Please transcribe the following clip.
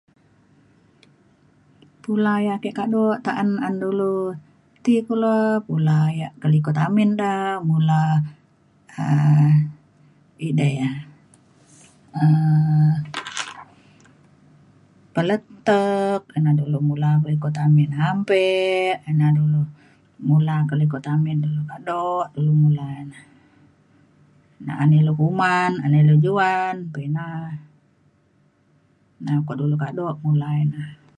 Pula ia' ka kado ta'an an dulu ti kulo kula ia' ka likut amin da kula um ida ia' um peletek ina na dulo mula ka ikut amin ampek ina na dulu mula ka likut amin dulu kado ilu ngula ina. Na'an ilu kuman an ilu juan pa ina na ko dulu kado pula ina.